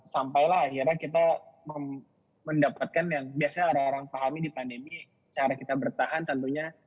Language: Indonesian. sampailah akhirnya kita mendapatkan yang biasanya orang orang pahami di pandemi cara kita bertahan tentunya